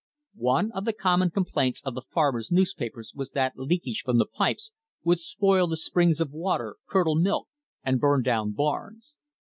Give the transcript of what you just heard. One of the common complaints of the farmers' newspapers was that leakage from the pipes would spoil the springs of water, curdle milk, and burn down barns.